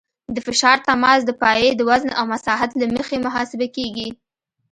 د فشار تماس د پایې د وزن او مساحت له مخې محاسبه کیږي